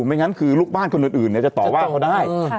ไม่งั้นคือลูกบ้านคนอื่นจะต่อว่าเขาได้